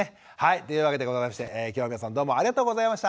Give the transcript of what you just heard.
ということでございまして今日は皆さんどうもありがとうございました。